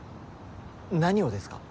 何をですか？